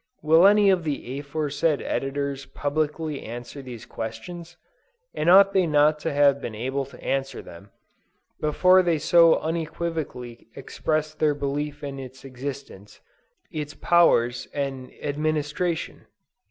Will any of the aforesaid editors publicly answer these questions? and ought they not to have been able to answer them, before they so unequivocally expressed their belief in its existence, its powers and administration?"